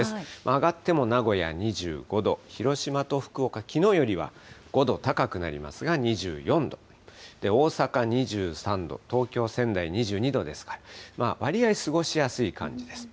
上がっても名古屋２５度、広島と福岡きのうよりは５度高くなりますが、２４度、大阪２３度、東京、仙台は２２度ですから、わりあい過ごしやすい感じです。